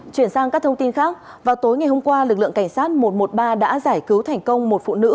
chuyển sang các thông tin khác vào tối ngày hôm qua lực lượng cảnh sát một trăm một mươi ba đã giải cứu thành công một phụ nữ